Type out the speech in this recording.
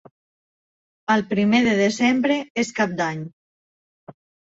El primer de desembre és Cap d'Any.